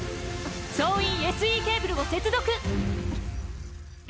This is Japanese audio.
総員ＳＥケーブルを接続！